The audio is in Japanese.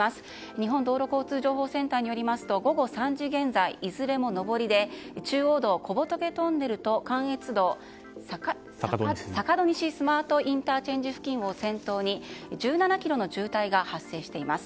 日本道路交通情報センターによりますと午後３時現在、いずれも上りで中央道、小仏トンネルと関越道坂戸西スマートＩＣ付近を先頭に１７ｋｍの渋滞が発生しています。